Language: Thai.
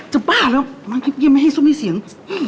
จบบ้าแล้วมันพี่ยังไม่ให้ซุ้มให้เสียง